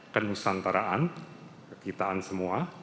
kenusantaraan kegitaan semua